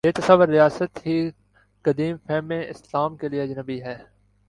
یہ تصور ریاست ہی قدیم فہم اسلام کے لیے اجنبی ہے۔